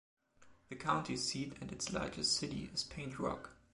The county seat and its largest city is Paint Rock.